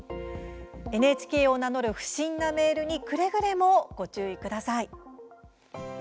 ＮＨＫを名乗る不審なメールにくれぐれも、ご注意ください。